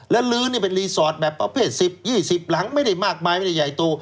แล้วลื้อนี่เป็นรีสอร์ทแบบประเภท๑๐๒๐หลังไม่ได้มากมายไม่ได้ใหญ่โต